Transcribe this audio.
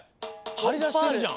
はりだしてるじゃん。